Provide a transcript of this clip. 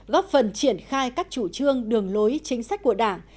góp phần triển khai các chủ trương đường lối chính sách của đảng